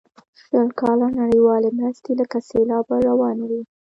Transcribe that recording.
شل کاله نړیوالې مرستې لکه سیلاب ور روانې وې.